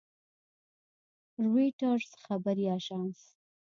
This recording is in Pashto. رویټرز خبري اژانس